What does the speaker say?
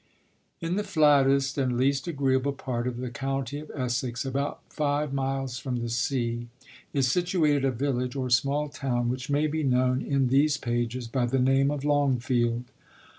In the flattest and least agreeable part of the county of Essex, about five miles from the s< a, is situated a village or small town, which ma) be known in these pages by the name of Long field.